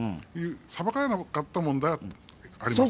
裁かれなかった問題はあります。